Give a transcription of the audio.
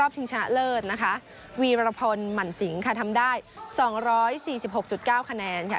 ชนะเลิศนะคะวีรพลหมั่นสิงค่ะทำได้สองร้อยสี่สิบหกจุดเก้าคะแนนค่ะ